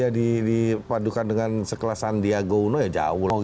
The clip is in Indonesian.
kalau dia dipadukan dengan sekelasan diago uno ya jauh lah